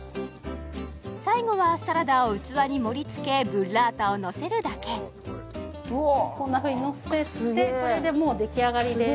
最後はサラダを器に盛りつけブッラータをのせるだけうおすげえこんなふうにのせてこれでもうできあがりです